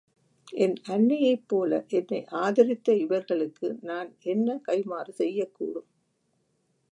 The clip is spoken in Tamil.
என் அன்னையைப் போல என்னை ஆதரித்த இவர்களுக்கு நான் என்ன கைம்மாறு செய்யக்கூடும்?